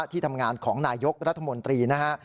ที่ทำงานของนายกรัฐมนตรีนะฮะ